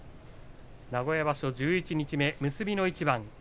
名古屋場所十一日目結びの一番。